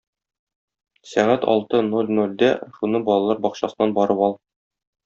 Сәгать алты ноль-нольдә шуны балалар бакчасыннан барып ал.